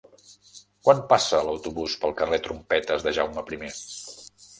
Quan passa l'autobús pel carrer Trompetes de Jaume I?